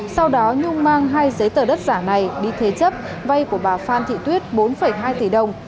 sau đó nhung mang hai giấy tờ đất giả này đi thế chấp vay của bà phan thị tuyết bốn hai tỷ đồng